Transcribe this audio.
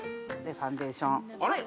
ファンデーションあれ？